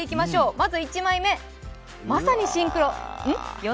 まず１枚目、まさにシンクロん？